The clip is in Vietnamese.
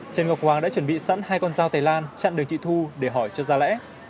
trần ngọc hoàng đã chuẩn bị sẵn hai con dao thái lan chặn được chị thu để hỏi cho ra lẽ